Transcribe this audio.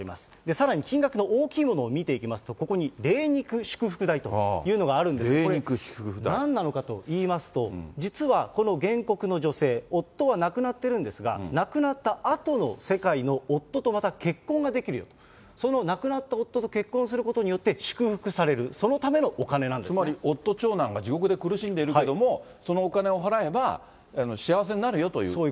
さらに金額の大きいものを見ていきますと、ここに霊肉祝福代というのがあるんですけれども、なんなのかといいますと、実はこの原告の女性、夫は亡くなってるんですが、亡くなったあとの世界の夫とまた結婚ができるように、その亡くなった夫と結婚することによって祝福される、そのためのお金なんでつまり、夫、長男が地獄で苦しんでいるけれども、そのお金を払えば、幸せになるよというお金。